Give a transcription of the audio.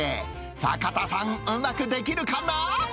坂田さん、うまくできるかな？